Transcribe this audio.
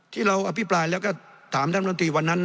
ที่เราอภิปรายแล้วก็ถามท่านรัฐมนตรีวันนั้น